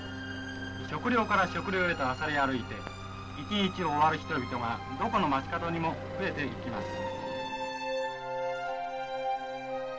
食料から食料へとあさり歩いて一日を終わる人々がどこの街角にも増えていきます」。